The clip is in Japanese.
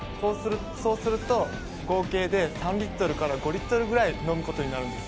そうすると、合計で３リットルから５リットルぐらい飲むことになるんです。